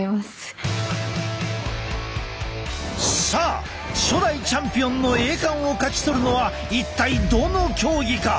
さあ初代チャンピオンの栄冠を勝ち取るのは一体どの競技か？